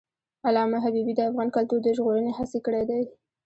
علامه حبیبي د افغان کلتور د ژغورنې هڅې کړی دي.